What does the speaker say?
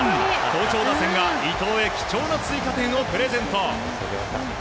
好調打線が伊藤へ貴重な追加点をプレゼント。